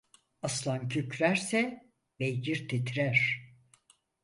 Aslan kükrerse beygir titrer.